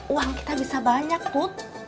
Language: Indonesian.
uang kita bisa banyak put